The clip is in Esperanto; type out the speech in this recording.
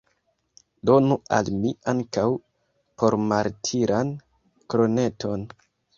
Donu al mi ankaŭ pormartiran kroneton!